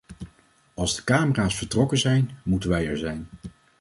Als de camera's vertrokken zijn, moeten wij er zijn.